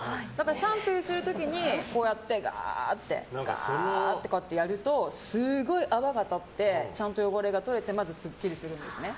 シャンプーする時にこうやって、ガーってやるとすごい泡が立ってちゃんと汚れが取れてすっきりするんですね。